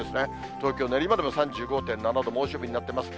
東京・練馬でも３５．７度、猛暑日になっています。